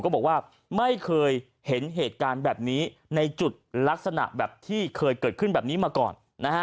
บอกว่าไม่เคยเห็นเหตุการณ์แบบนี้ในจุดลักษณะแบบที่เคยเกิดขึ้นแบบนี้มาก่อนนะฮะ